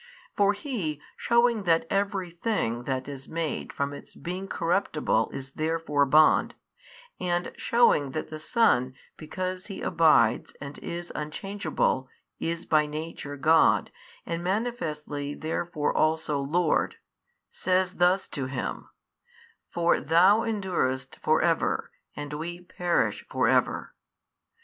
For he shewing that every thing that is made from its being corruptible is therefore bond, and shewing that the Son because He abides and is Unchangeable is by Nature God and manifestly therefore also Lord, says thus to Him, For THOU endurest for ever and we perish for ever.